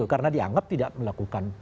karena dianggap tidak melakukan